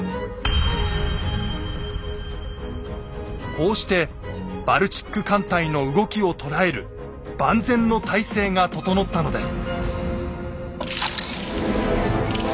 こうしてバルチック艦隊の動きを捉える万全の体制が整ったのです。